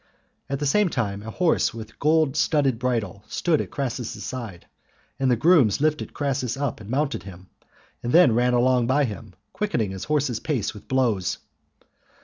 At the same time a horse with gold studded bridle stood at Crassus's side, and the grooms lifted Crassus up and mounted him, and then ran along by him, quickening his horse's pace with blows.